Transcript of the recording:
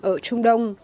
ở trung đông